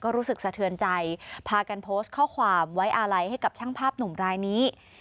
รู้สึกสะเทือนใจพากันโพสต์ข้อความไว้อาลัยให้กับช่างภาพหนุ่มรายนี้